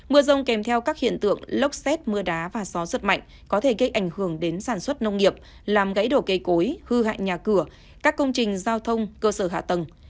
mưa rông kèm theo các hiện tượng lốc xét mưa đá và gió giật mạnh có thể gây ảnh hưởng đến sản xuất nông nghiệp làm gãy đổ cây cối hư hại nhà cửa các công trình giao thông cơ sở hạ tầng